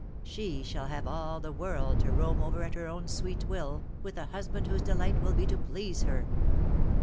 She shall have all the world to roam over at her own sweet will, with a husband whose delight will be to please her.